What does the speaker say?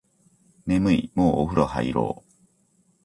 眠いもうお風呂入ろう